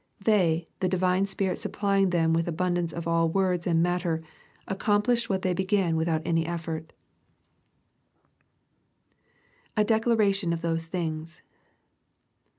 They, the divine Spirit supplying them with abundance of all words and matter, accomplished what they began without any eflFort" [A decUvration of those thmgs.'